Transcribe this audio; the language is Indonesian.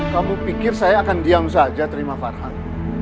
kamu pikir saya akan diam saja terima farhan